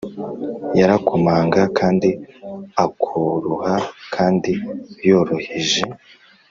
yarakomanga kandi akoroha kandi yoroheje;